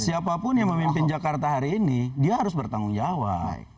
siapapun yang memimpin jakarta hari ini dia harus bertanggung jawab